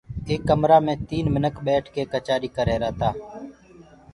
ايڪ ڪمرآ مي تين منک ٻيٺ ڪي ڪچآري ڪرريهرآ تآ